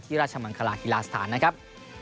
ที่ราชมังคลาฮิลาสถานนะครับ